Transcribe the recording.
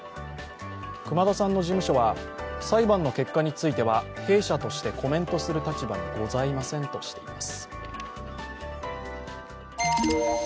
熊田さんの事務所は、裁判の結果については弊社としてコメントする立場にございませんとしています。